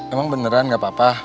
emang beneran gak apa apa